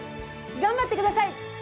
頑張ってください！